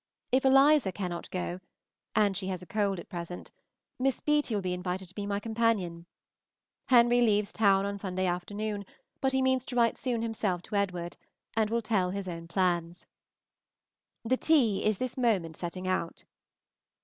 If Eliza cannot go (and she has a cold at present), Miss Beaty will be invited to be my companion. Henry leaves town on Sunday afternoon, but he means to write soon himself to Edward, and will tell his own plans. The tea is this moment setting out.